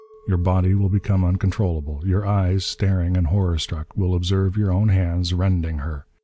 Your body will become uncontrollable. Your eyes, staring and horror struck, will observe your own hands rending her.